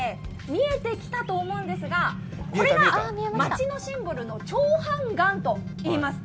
見えてきたと思うんですがこれが街のシンボルの重盤岩といいます。